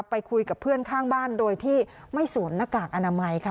ไปคุยกับเพื่อนข้างบ้านโดยที่ไม่สวมหน้ากากอนามัยค่ะ